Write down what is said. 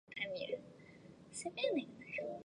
弯曲喇叭口螺为虹蛹螺科喇叭螺属的动物。